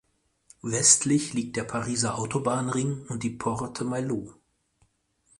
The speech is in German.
Westlich liegt der Pariser Autobahnring und die "Porte Maillot".